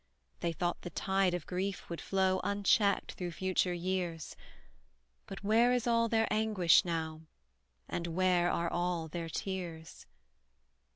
They thought the tide of grief would flow Unchecked through future years; But where is all their anguish now, And where are all their tears?